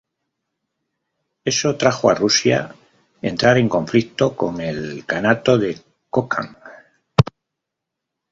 Esto trajo a Rusia entrar en conflicto con el Kanato de Kokand.